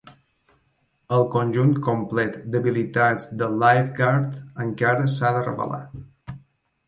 El conjunt complet d'habilitats de Lifeguard encara s'ha de revelar.